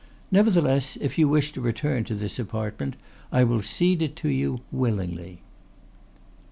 Nevertheless, if you wish to return to this apartment I will cede it to you willingly."